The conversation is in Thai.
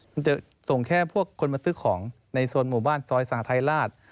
มันจะส่งแค่พวกคนมาซื้อของในโซนหมู่บ้านซอยสาธัยราช